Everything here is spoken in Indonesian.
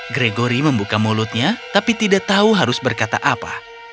gregory membuka mulutnya tapi tidak tahu harus berkata apa